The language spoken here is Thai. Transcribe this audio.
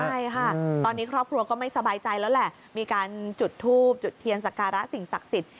ใช่ค่ะตอนนี้ครอบครัวก็ไม่สบายใจแล้วแหละมีการจุดทูบจุดเทียนสการะสิ่งศักดิ์สิทธิ